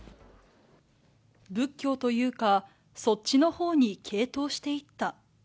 仏教というか、そっちのほうに傾倒していった。